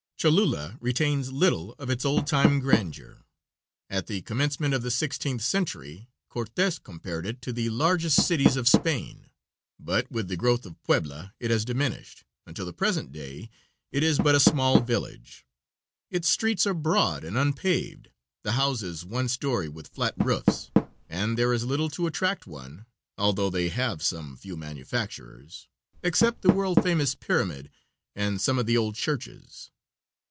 Cholula retains little of its old time grandeur. At the commencement of the sixteenth century Cortes compared it to the largest cities of Spain, but with the growth of Puebla it has diminished, until the present day it is but a small village. Its streets are broad and unpaved, the houses one story with flat roofs, and there is little to attract one although they have some few manufacturers except the world famous pyramid and some of the old churches.